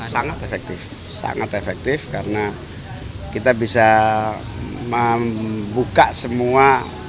sangat efektif sangat efektif karena kita bisa membuka semua